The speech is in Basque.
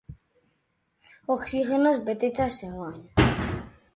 Oxigenoz beteta zegoen.